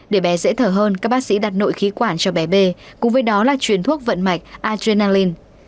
để bé dễ thở hơn các bác sĩ đặt nội khí quản cho bé b cùng với đó là truyền thuốc vận mạch agenalin